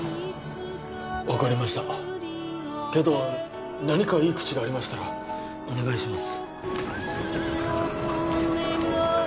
分かりましたけど何かいい口がありましたらお願いします